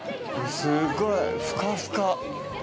すっごいふかふか！